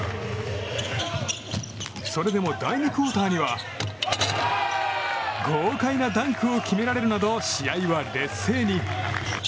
それでも第２クオーターには豪快なダンクを決められるなど試合は劣勢に。